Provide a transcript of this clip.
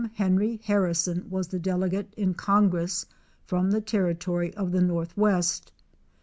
Henry Harrison was the delegate in Congress from the Territory of the Northwest.